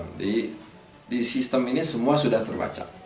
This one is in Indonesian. jadi di sistem ini semua sudah terbaca